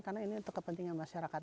karena ini untuk kepentingan masyarakat